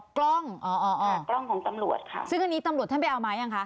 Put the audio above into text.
กล้องอ๋ออ๋อกล้องของตำรวจค่ะซึ่งอันนี้ตำรวจท่านไปเอามายังคะ